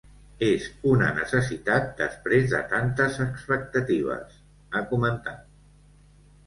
És una necessitat, després de tantes expectatives, ha comentat.